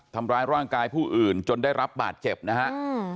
ทำร้ายร่างกายผู้อื่นจนได้รับบาดเจ็บนะฮะอืม